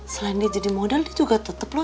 selain dia jadi model dia juga tetep loh